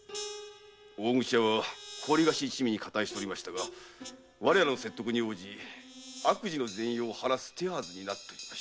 大口屋は高利貸し一味に加担しておりましたが我らの説得に応じ悪事の全容を話す手はずになっておりました。